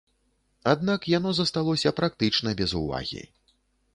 Аднак яно засталося практычна без увагі.